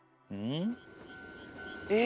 え！